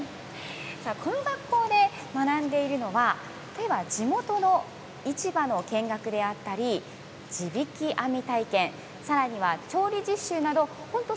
この学校で学んでいるのは地元の市場の見学であったり地引き網体験さらには調理実習など本当